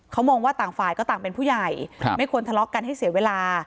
เขามองว่าต่างฝ่ายก็ต่างเป็นผู้ใหญ่ไม่ควรทะเลาะกันให้เสียเวลา